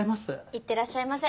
いってらっしゃいませ。